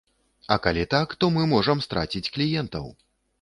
А калі так, то мы можам страціць кліентаў.